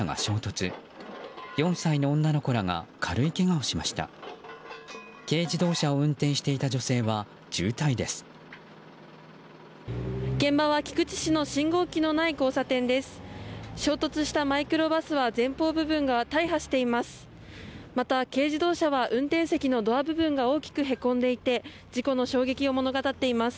衝突したマイクロバスは前方部分が大破しています。